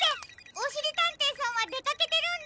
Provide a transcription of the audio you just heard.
おしりたんていさんはでかけてるんだ！